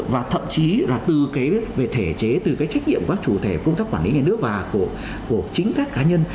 và thậm chí là từ cái về thể chế từ cái trách nhiệm của các chủ thể công tác quản lý nhà nước và của chính các cá nhân